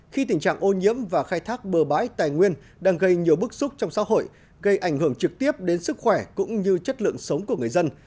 khi tình trạng ô nhiễm và khai thác bờ bãi tài nguyên đang gây nhiều bức xúc trong xã hội gây ảnh hưởng trực tiếp đến sức khỏe cũng như chất lượng sống của người dân